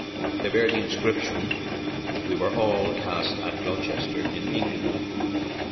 They bear the inscription :" We were all cast at Gloucester, in England.